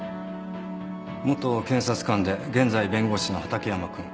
元検察官で現在弁護士の畠山君。